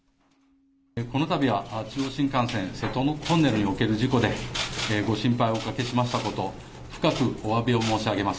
このたびは中央新幹線瀬戸トンネルにおける事故でご心配をおかけしましたこと、深くおわびを申し上げます。